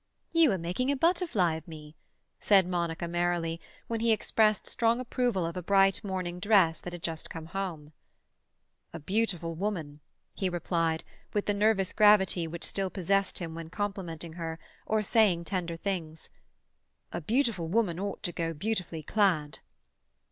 "You are making a butterfly of me," said Monica merrily, when he expressed strong approval of a bright morning dress that had just come home. "A beautiful woman," he replied, with the nervous gravity which still possessed him when complimenting her, or saying tender things, "a beautiful woman ought to be beautifully clad."